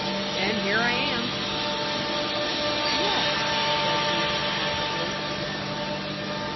and here I am." "Yes!" said Una affably....